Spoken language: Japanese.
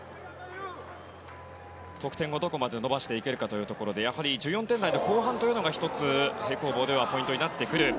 得点をどこまで伸ばしていけるかというところでやはり１４点台の後半というのが１つ、平行棒ではポイントになってくる。